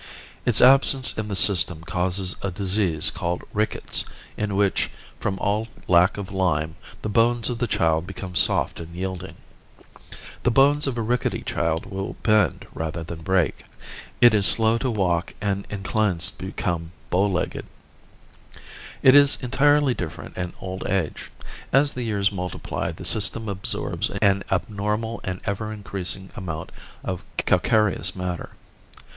Its absence in the system causes a disease called rickets, in which, from all lack of lime, the bones of the child become soft and yielding. The bones of a rickety child will bend rather than break. It is slow to walk and inclines to become bow legged. It is entirely different in old age. As the years multiply the system absorbs an abnormal and ever increasing amount of calcareous matter.